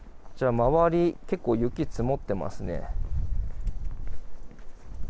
周り、結構雪積もってますね。